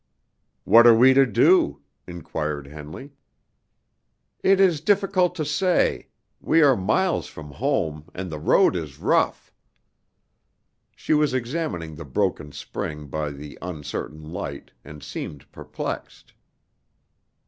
"What are we to do?" inquired Henley. "It is difficult to say. We are miles from home, and the road is rough." She was examining the broken spring by the uncertain light, and seemed perplexed.